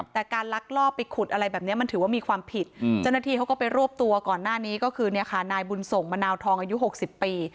แต่การลักลอบไปขุดอะไรแบบนี้มันถือว่ามีความผิดเจ้าหน้าที่เขาก็ไปรวบตัวก่อนหน้านี้ก็คือเนี่ยค่ะนายบุญส่งมะนาวทองอายุ๖๐ปี